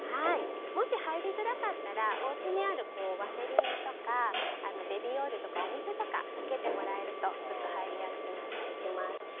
もし入りづらかったらおうちにあるワセリンとかベビーオイルとかお水とかつけてもらえるとスッと入りやすくなったりします。